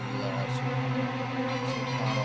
terasa hendak bertarung ke per port